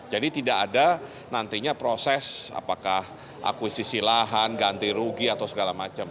jadi tidak ada nantinya proses apakah akuisisi lahan ganti rugi atau segala macam